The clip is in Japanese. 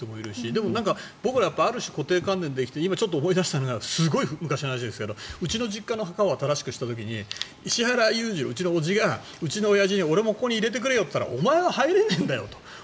でも、僕らある種固定観念で生きてきて今、少し思い出したのがすごい昔の話ですがうちの実家の墓を新しくした時に石原裕次郎、うちの叔父が俺もここに入れてくれよと言ったらお前は入れないんだよと。